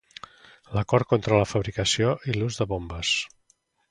l'acord contra la fabricació i ús militar de bombes